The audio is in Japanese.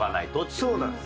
そうなんです。